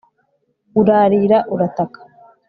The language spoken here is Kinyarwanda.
urarira urataka